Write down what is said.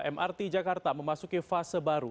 mrt jakarta memasuki fase baru